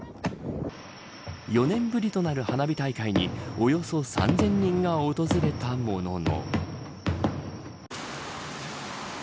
４年ぶりとなる花火大会におよそ３０００人が訪れたものの。